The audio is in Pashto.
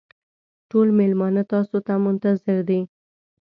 ټول مېلمانه تاسو ته منتظر دي.